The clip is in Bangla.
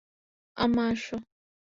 আম্মা, আসো।